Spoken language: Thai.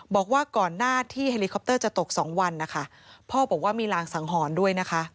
บอกว่าก่อนหน้าที่ไฮลิคอปเตอร์จะตก๒วันพ่อบอกว่ามีลางสังหรณ์ด้วย